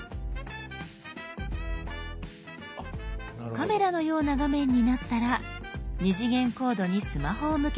カメラのような画面になったら２次元コードにスマホを向けます。